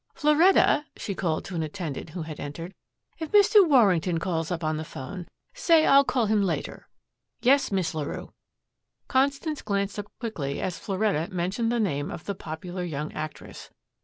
Floretta," she called to an attendant who had entered, "if Mr. Warrington calls up on the 'phone, say I'll call him later." "Yes, Miss Larue." Constance glanced up quickly as Floretta mentioned the name of the popular young actress.